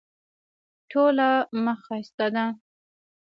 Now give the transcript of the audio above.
ټوله مخ ښایسته ده.